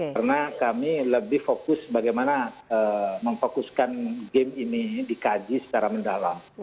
karena kami lebih fokus bagaimana memfokuskan game ini dikaji secara mendalam